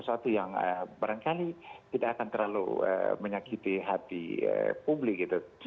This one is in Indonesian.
sesuatu yang barangkali tidak akan terlalu menyakiti hati publik gitu